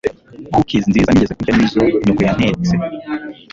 cookies nziza nigeze kurya nizo nyoko yantetse